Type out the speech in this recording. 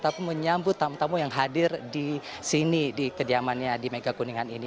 tapi menyambut tamu tamu yang hadir di sini di kediamannya di mega kuningan ini